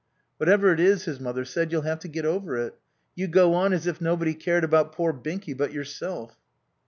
"Whatever it is," his mother said, "you'll have to get over it. You go on as if nobody cared about poor Binky but yourself."